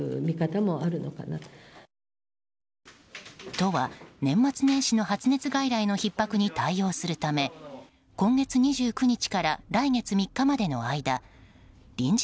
都は、年末年始の発熱外来のひっ迫に対応するため今月２９日から来月３日までの間臨時